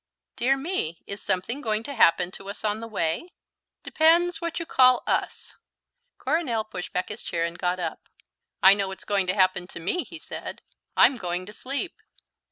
"Dear me, is something going to happen to us on the way?" "Depends what you call 'us.'" Coronel pushed back his chair and got up. "I know what's going to happen to me," he said. "I'm going to sleep."